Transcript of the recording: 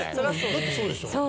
だってそうでしょう。